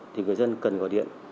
thì người dân cần gọi điện